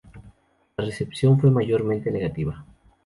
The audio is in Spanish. La recepción fue mayormente negativa.